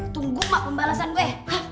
tunggu emak pembalasan gue